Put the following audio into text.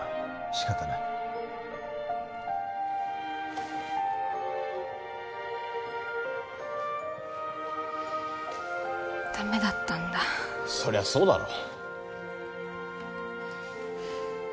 仕方ないダメだったんだそりゃそうだろ